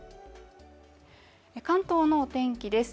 関東のお天気です。